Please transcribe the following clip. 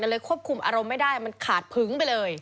เลยควบคุมอารมณ์ไม่ได้มันขาดพึงไปเลย